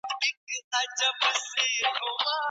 ولي اسلام د مرييانو ازادولو ته دومره ارزښت ورکوي؟